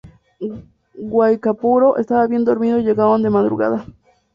Guaicaipuro estaba bien dormido y llegaron de madrugada.